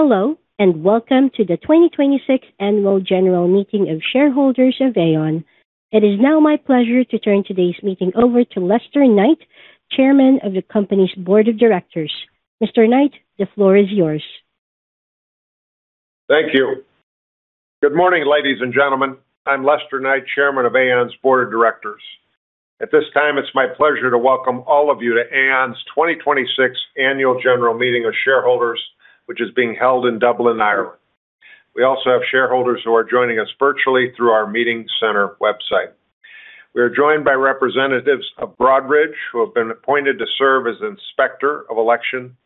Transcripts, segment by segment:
Hello, welcome to the 2026 Annual General Meeting of Shareholders of Aon. It is now my pleasure to turn today's meeting over to Lester Knight, Chairman of the company's Board of Directors. Mr. Knight, the floor is yours. Thank you. Good morning, ladies and gentlemen. I'm Lester Knight, Chairman of Aon's Board of Directors. At this time, it's my pleasure to welcome all of you to Aon's 2026 Annual General Meeting of Shareholders, which is being held in Dublin, Ireland. We also have shareholders who are joining us virtually through our meeting center website. We are joined by representatives of Broadridge, who have been appointed to serve as Inspector of Election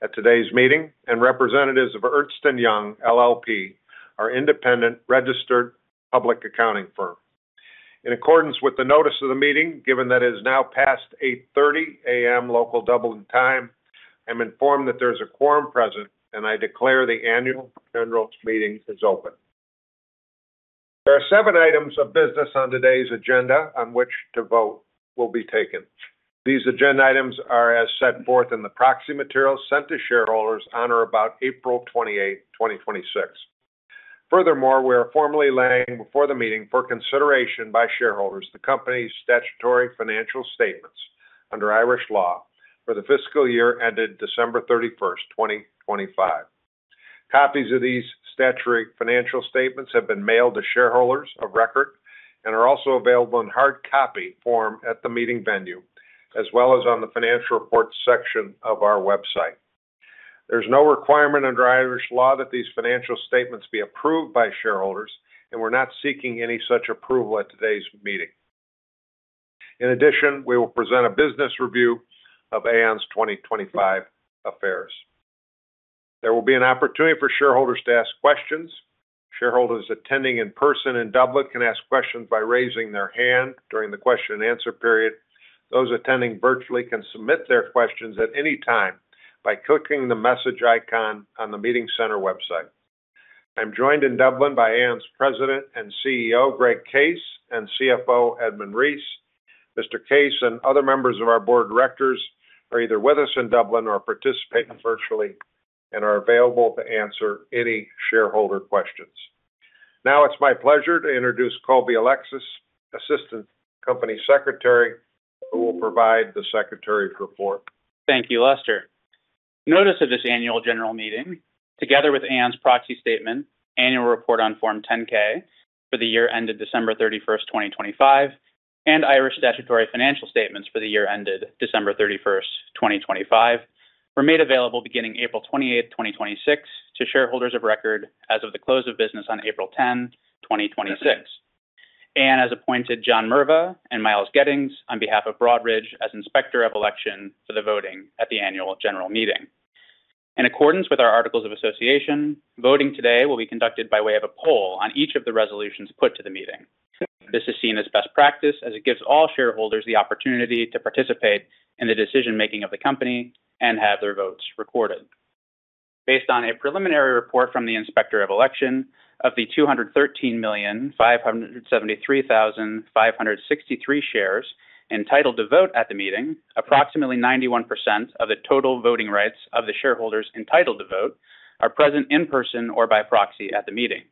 at today's meeting, and representatives of Ernst & Young LLP, our independent registered public accounting firm. In accordance with the notice of the meeting, given that it is now past 8:30 A.M. local Dublin time, I'm informed that there's a quorum present. I declare the Annual General Meeting is open. There are seven items of business on today's agenda on which to vote will be taken. These agenda items are as set forth in the proxy material sent to shareholders on or about April 28th, 2026. Furthermore, we are formally laying before the meeting for consideration by shareholders the company's statutory financial statements under Irish law for the fiscal year ended December 31st, 2025. Copies of these statutory financial statements have been mailed to shareholders of record and are also available in hard copy form at the meeting venue, as well as on the financial report section of our website. There's no requirement under Irish law that these financial statements be approved by shareholders. We're not seeking any such approval at today's meeting. In addition, we will present a business review of Aon's 2025 affairs. There will be an opportunity for shareholders to ask questions. Shareholders attending in person in Dublin can ask questions by raising their hand during the question and answer period. Those attending virtually can submit their questions at any time by clicking the message icon on the meeting center website. I'm joined in Dublin by Aon's President and CEO, Greg Case, and CFO, Edmund Reese. Mr. Case and other members of our Board of Directors are either with us in Dublin or participating virtually and are available to answer any shareholder questions. Now it's my pleasure to introduce Colby Alexis, Assistant Company Secretary, who will provide the Secretary's report. Thank you, Lester. Notice of this annual general meeting, together with Aon's proxy statement, annual report on Form 10-K for the year ended December 31st, 2025, and Irish statutory financial statements for the year ended December 31st, 2025, were made available beginning April 28th, 2026, to shareholders of record as of the close of business on April 10th, 2026. Aon has appointed John Merva and Miles Gettings on behalf of Broadridge as Inspector of Election for the voting at the annual general meeting. In accordance with our Articles of Association, voting today will be conducted by way of a poll on each of the resolutions put to the meeting. This is seen as best practice as it gives all shareholders the opportunity to participate in the decision-making of the company and have their votes recorded. Based on a preliminary report from the Inspector of Election, of the 213,573,563 shares entitled to vote at the meeting, approximately 91% of the total voting rights of the shareholders entitled to vote are present in person or by proxy at the meeting.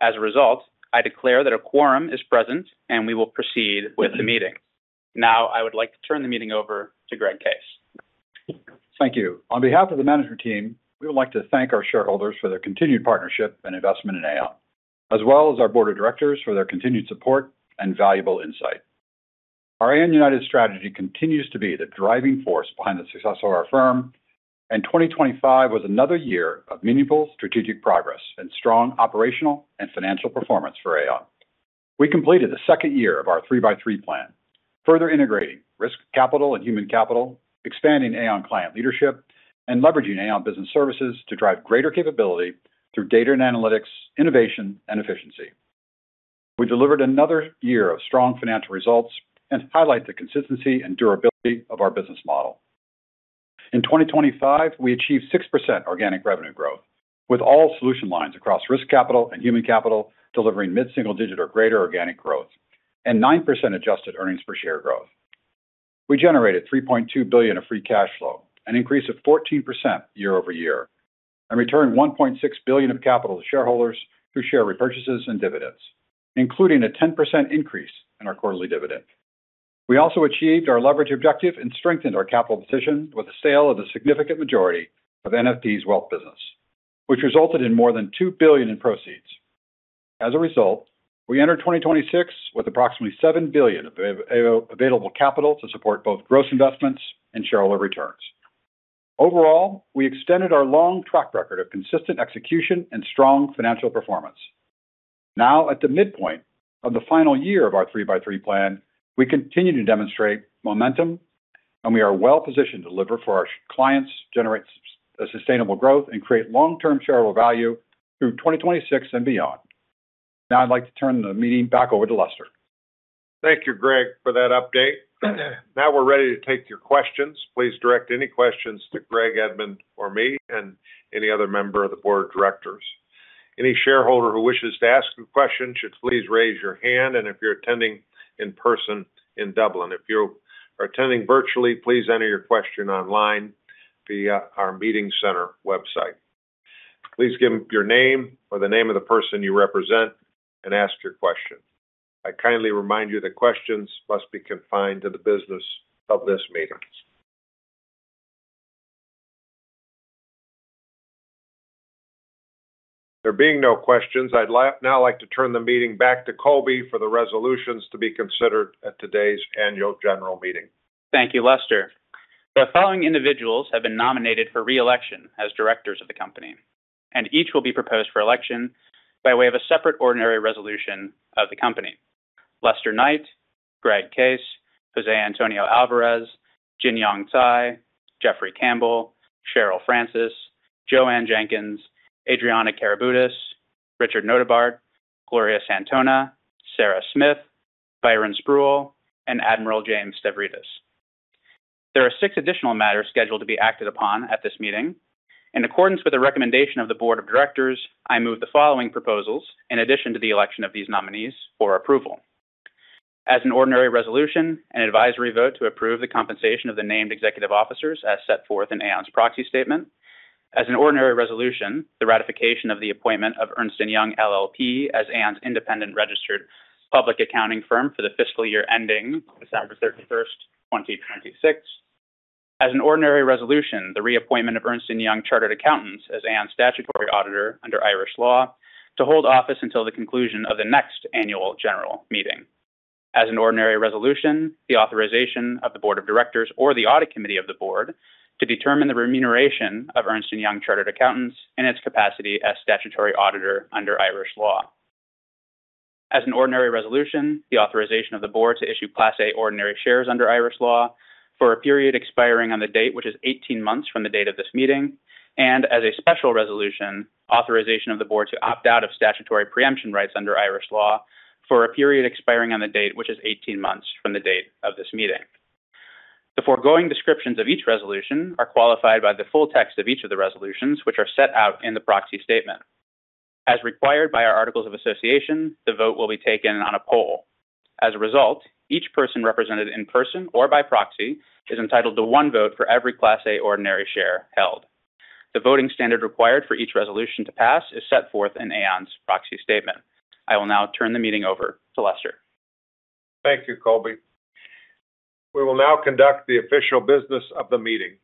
As a result, I declare that a quorum is present, and we will proceed with the meeting. I would like to turn the meeting over to Greg Case. Thank you. On behalf of the management team, we would like to thank our shareholders for their continued partnership and investment in Aon, as well as our board of directors for their continued support and valuable insight. Our Aon United strategy continues to be the driving force behind the success of our firm. 2025 was another year of meaningful strategic progress and strong operational and financial performance for Aon. We completed the second year of our Three by Three plan, further integrating risk capital and human capital, expanding Aon Client Leadership, and leveraging Aon Business Services to drive greater capability through data and analytics, innovation, and efficiency. We delivered another year of strong financial results and highlight the consistency and durability of our business model. In 2025, we achieved 6% organic revenue growth, with all solution lines across risk capital and human capital delivering mid-single digit or greater organic growth and 9% adjusted earnings per share growth. We generated $3.2 billion of free cash flow, an increase of 14% year-over-year, and returned $1.6 billion of capital to shareholders through share repurchases and dividends, including a 10% increase in our quarterly dividend. We also achieved our leverage objective and strengthened our capital position with the sale of the significant majority of NFP's wealth business, which resulted in more than $2 billion in proceeds. As a result, we enter 2026 with approximately $7 billion of available capital to support both gross investments and shareholder returns. Overall, we extended our long track record of consistent execution and strong financial performance. At the midpoint of the final year of our Three by Three plan, we continue to demonstrate momentum, and we are well-positioned to deliver for our clients, generate sustainable growth, and create long-term shareholder value through 2026 and beyond. I'd like to turn the meeting back over to Lester. Thank you, Greg, for that update. We're ready to take your questions. Please direct any questions to Greg, Edmund, or me, and any other member of the board of directors. Any shareholder who wishes to ask a question should please raise your hand, and if you're attending in person in Dublin. If you are attending virtually, please enter your question online via our meeting center website. Please give your name or the name of the person you represent and ask your question. I kindly remind you that questions must be confined to the business of this meeting. There being no questions, I'd now like to turn the meeting back to Colby for the resolutions to be considered at today's annual general meeting. Thank you, Lester. The following individuals have been nominated for reelection as directors of the company, and each will be proposed for election by way of a separate ordinary resolution of the company. Lester Knight, Greg Case, Jose Antonio Álvarez, Jin Cai, Jeffrey Campbell, Cheryl Francis, Jo Ann Jenkins, Adriana Karaboutis, Richard Notebaert, Gloria Santona, Sarah Smith, Byron Spruell, and Admiral James Stavridis. There are six additional matters scheduled to be acted upon at this meeting. In accordance with the recommendation of the board of directors, I move the following proposals in addition to the election of these nominees for approval. As an ordinary resolution, an advisory vote to approve the compensation of the named executive officers as set forth in Aon's proxy statement. As an ordinary resolution, the ratification of the appointment of Ernst & Young LLP as Aon's independent registered public accounting firm for the fiscal year ending December 31st, 2026. As an ordinary resolution, the reappointment of Ernst & Young Chartered Accountants as Aon statutory auditor under Irish law to hold office until the conclusion of the next annual general meeting. As an ordinary resolution, the authorization of the board of directors or the audit committee of the board to determine the remuneration of Ernst & Young Chartered Accountants in its capacity as statutory auditor under Irish law. As an ordinary resolution, the authorization of the board to issue Class A ordinary shares under Irish law for a period expiring on the date, which is 18 months from the date of this meeting, and as a special resolution, authorization of the board to opt out of statutory preemption rights under Irish law for a period expiring on the date, which is 18 months from the date of this meeting. The foregoing descriptions of each resolution are qualified by the full text of each of the resolutions, which are set out in the proxy statement. As required by our Articles of Association, the vote will be taken on a poll. As a result, each person represented in person or by proxy is entitled to one vote for every Class A ordinary share held. The voting standard required for each resolution to pass is set forth in Aon's proxy statement. I will now turn the meeting over to Lester. Thank you, Colby. We will now conduct the official business of the meeting.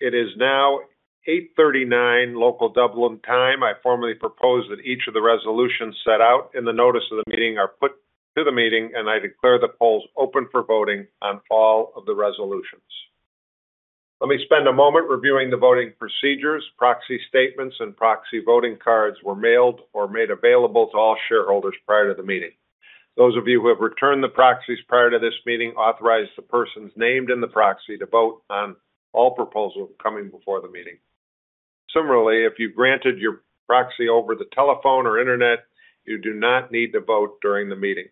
It is now 8:39 A.M. local Dublin time. I formally propose that each of the resolutions set out in the notice of the meeting are put to the meeting. I declare the polls open for voting on all of the resolutions. Let me spend a moment reviewing the voting procedures. Proxy statements and proxy voting cards were mailed or made available to all shareholders prior to the meeting. Those of you who have returned the proxies prior to this meeting authorized the persons named in the proxy to vote on all proposals coming before the meeting. Similarly, if you granted your proxy over the telephone or internet, you do not need to vote during the meeting.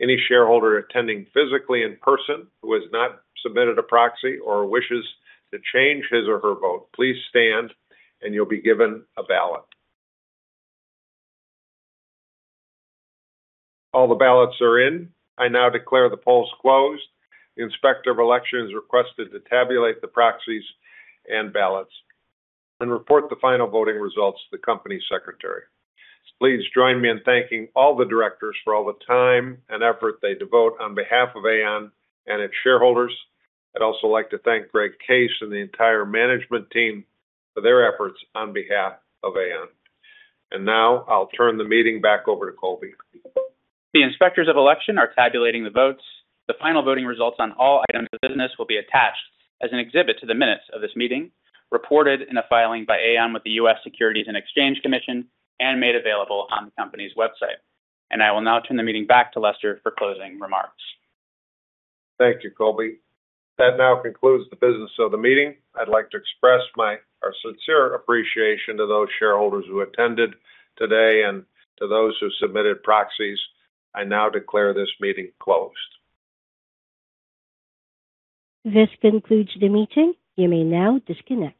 Any shareholder attending physically in person who has not submitted a proxy or wishes to change his or her vote, please stand and you'll be given a ballot. All the ballots are in. I now declare the polls closed. The Inspector of Election is requested to tabulate the proxies and ballots and report the final voting results to the company secretary. Please join me in thanking all the directors for all the time and effort they devote on behalf of Aon and its shareholders. I'd also like to thank Greg Case and the entire management team for their efforts on behalf of Aon. Now I'll turn the meeting back over to Colby. The Inspectors of Election are tabulating the votes. The final voting results on all items of business will be attached as an exhibit to the minutes of this meeting, reported in a filing by Aon with the U.S. Securities and Exchange Commission, and made available on the company's website. I will now turn the meeting back to Lester for closing remarks. Thank you, Colby. That now concludes the business of the meeting. I'd like to express our sincere appreciation to those shareholders who attended today and to those who submitted proxies. I now declare this meeting closed. This concludes the meeting. You may now disconnect.